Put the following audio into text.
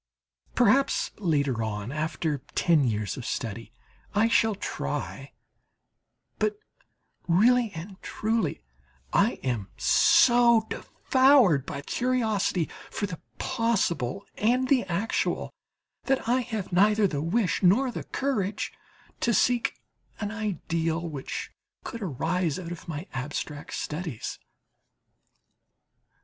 Perhaps later on, after ten years of study, I shall try; but really and truly, I am so devoured by curiosity for the possible and the actual, that I have neither the wish nor the courage to seek an ideal which could arise out of my abstract studies.